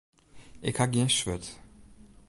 Ik ha gjin swurd.